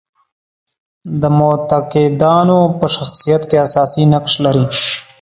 د معتقدانو په شخصیت کې اساسي نقش لري.